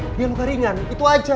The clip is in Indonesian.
dia luka ringan itu aja